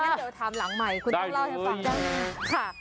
งั้นเดี๋ยวทำหลังใหม่คุณต้องเล่าให้ฟัง